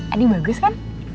adi bagus kan